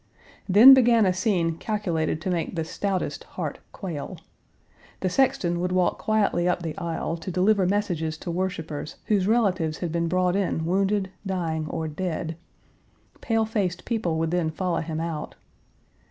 Then began a scene calculated to make the stoutest heart quail. The sexton would walk quietly up the aisle to deliver messages to worshipers whose relatives had been brought in wounded, dying, or dead. Pale faced people would then follow him out.